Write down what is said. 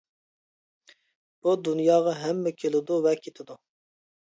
بۇ دۇنياغا ھەممە كېلىدۇ ۋە كېتىدۇ.